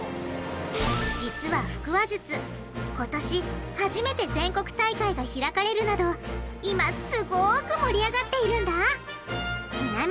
実は腹話術今年初めて全国大会が開かれるなど今すごく盛り上がっているんだ！